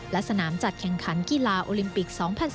และสนามจัดแข่งขันกีฬาโอลิมปิก๒๐๑๙